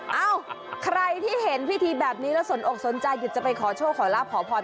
เอ้าใครที่เห็นพิธีแบบนี้แล้วสนอกสนใจหยุดจะไปขอโชคขอลาบขอพร